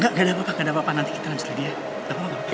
gak ada apa apa nanti kita lanjutin dia